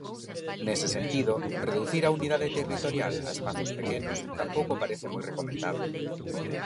Nese sentido, reducir a unidade territorial a espazos pequenos tampouco parece moi recomendable.